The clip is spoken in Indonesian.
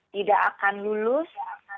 tidak akan lulus